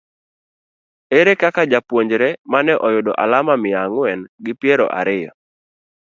Ere kaka japuonjre ma ne oyudo alama miya ang'wen gi piero ariyo